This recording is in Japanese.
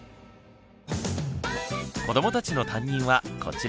子どもたちの担任はこちらのお二人。